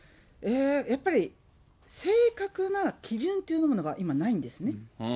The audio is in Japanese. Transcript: やっぱり、正確な基準というものが、今、ないんですね。